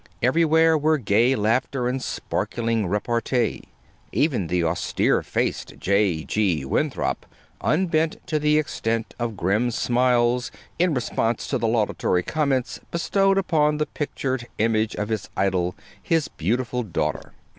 Everywhere were gay laughter and sparkling repartee. Even the austere faced J. G. Winthrop unbent to the extent of grim smiles in response to the laudatory comments bestowed upon the pictured image of his idol, his beautiful daughter.